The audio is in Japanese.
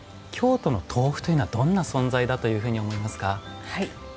京都の豆腐というのはどんな存在だというふうに思いますか？